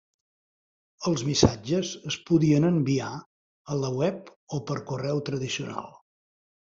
Els missatges es podien enviar a la web o per correu tradicional.